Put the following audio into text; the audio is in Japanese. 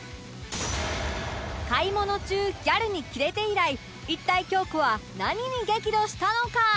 買い物中ギャルにキレて以来一体京子は何に激怒したのか！？